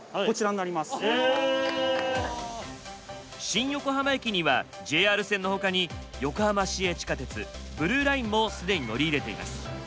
新横浜駅にはＪＲ線の他に横浜市営地下鉄ブルーラインもすでに乗り入れています。